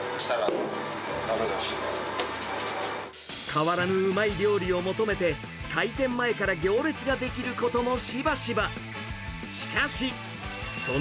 変わらぬうまい料理を求めて、開店前から行列が出来ることもしばしば。